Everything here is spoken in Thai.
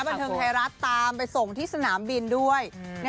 บันเทิงไทยรัฐตามไปส่งที่สนามบินด้วย